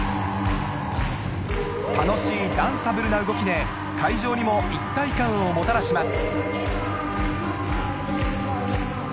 楽しいダンサブルな動きで会場にも一体感をもたらします